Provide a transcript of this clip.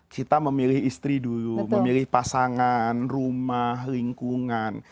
kita memilih istri dulu memilih pasangan rumah lingkungan